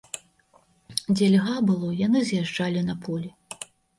Дзе льга было, яны з'язджалі на поле.